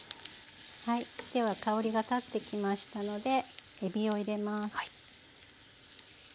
では香りが立ってきましたのでえびを入れます。